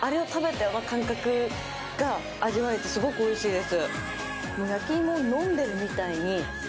あの感覚が味わえてすごくおいしいです。